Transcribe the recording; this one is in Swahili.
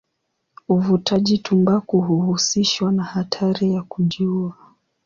Uvutaji tumbaku huhusishwa na hatari ya kujiua.